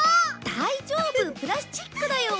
大丈夫プラスチックだよ。